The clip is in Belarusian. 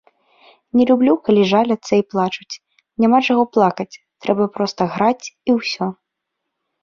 Не люблю, калі жаляцца і плачуць, няма чаго плакаць, трэба проста граць, і ўсё!